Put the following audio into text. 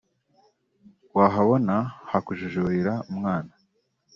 Wahabona hakujijurira umwana